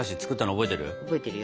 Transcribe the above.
覚えてるよ。